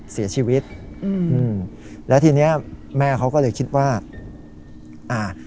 เสียชีวิตอืมอืมแล้วทีเนี้ยแม่เขาก็เลยคิดว่าอ่า